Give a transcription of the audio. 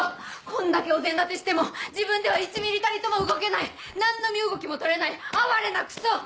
こんだけお膳立てしても自分では１ミリたりとも動けない何の身動きも取れない哀れなクソ！